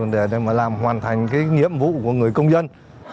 để mà làm hoàn thành cái nhiệm vụ của người công dân